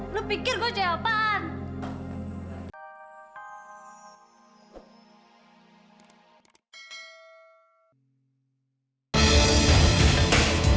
lu pikir gua siapaan